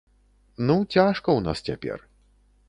Ну цяжка ў нас цяпер.